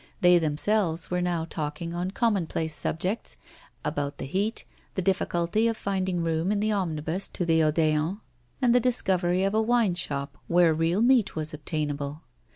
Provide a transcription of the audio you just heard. They themselves were now talking on common place subjects: about the heat, the difficulty of finding room in the omnibus to the Odeon, and the discovery of a wine shop where real meat was obtainable.